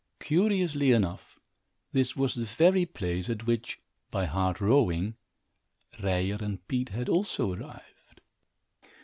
Curiously enough, this was the very place at which, by hard rowing, Ryer and Pete had also arrived.